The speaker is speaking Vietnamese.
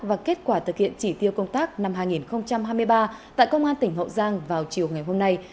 và kết quả thực hiện chỉ tiêu công tác năm hai nghìn hai mươi ba tại công an tỉnh hậu giang vào chiều ngày hôm nay